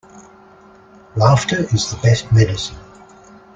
Laughter is the best medicine.